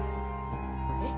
えっ？